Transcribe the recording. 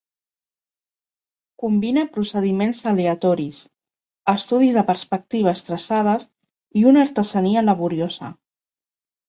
Combina procediments aleatoris, estudis de perspectives traçades i una artesania laboriosa.